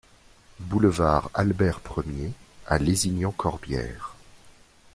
Boulevard Albert Premier à Lézignan-Corbières